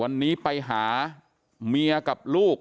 วันนี้ไปหาเมียกับลูก